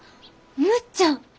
むっちゃん！